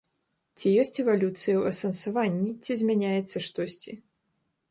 Ці ёсць эвалюцыя ў асэнсаванні, ці змяняецца штосьці?